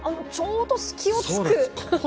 ちょうど隙を突く。